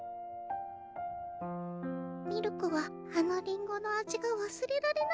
ミルクはあのリンゴの味が忘れられないミル。